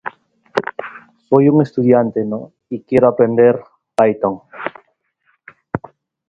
Debe limpiarse de malezas regularmente y bien regadas.